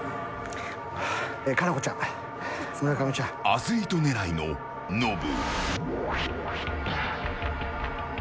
アスリート狙いのノブ。